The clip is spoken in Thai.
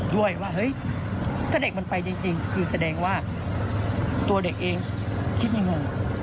ด้วยว่าเฮ้ยถ้าเด็กมันไปจริงคือแสดงว่าตัวเด็กเองคิดยังไงงง